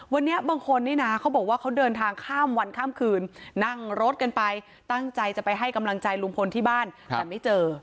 วันนี้บางคนนี่นะเขาบอกว่าเขาเดินทางข้ามวันข้ามคืนนั่งรถกันไปตั้งใจจะไปให้กำลังใจลุงพลที่บ้านแต่ไม่เจอ